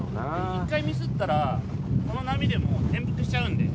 １回ミスったらこの波でも転覆しちゃうんで。